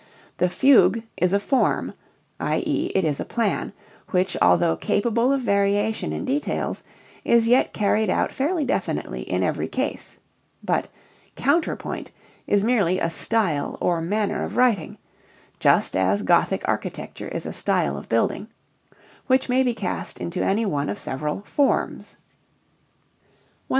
_, the fugue is a form i.e., it is a plan, which although capable of variation in details, is yet carried out fairly definitely in every case; but counterpoint is merely a style or manner of writing (just as Gothic architecture is a style of building), which may be cast into any one of several forms. 135.